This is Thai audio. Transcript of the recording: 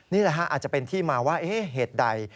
นี่แหละฮะอาจจะเป็นที่มาว่าเหตุใด